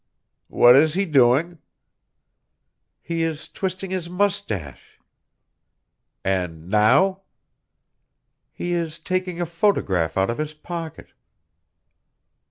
"What is he doing?" "He is twisting his mustache." "And now?" "He is taking a photograph out of his pocket."